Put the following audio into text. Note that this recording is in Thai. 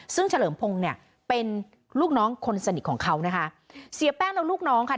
ซึ่งเฉลิมพงศ์เนี่ยเป็นลูกน้องคนสนิทของเขานะคะเสียแป้งและลูกน้องค่ะ